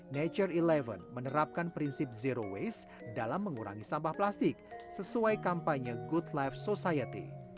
nature sebelas menerapkan prinsip zero waste dalam mengurangi sampah plastik sesuai kampanye good life society